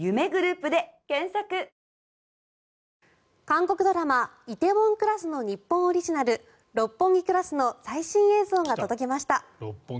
韓国ドラマ「梨泰院クラス」の日本オリジナル「六本木クラス」の最新映像が届きました。